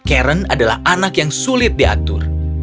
karen adalah anak yang sulit diatur